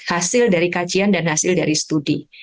hasil dari kajian dan hasil dari studi